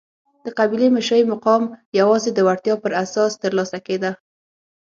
د قبیلې مشرۍ مقام یوازې د وړتیا پر اساس ترلاسه کېده.